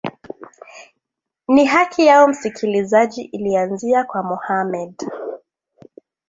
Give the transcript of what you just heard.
ni haki yao msikilizaji ilianzia kwa mohamed